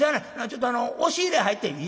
ちょっと押し入れ入ってみ」。